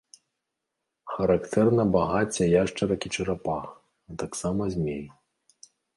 Характэрна багацце яшчарак і чарапах, а таксама змей.